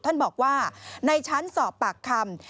ท่านบอกว่าในชั้นสอบปากคำ